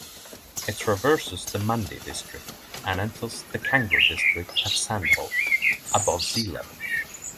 It traverses the Mandi District and enters the Kangra District at Sandhol, above sea-level.